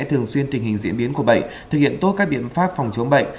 thường xuyên tình hình diễn biến của bệnh thực hiện tốt các biện pháp phòng chống bệnh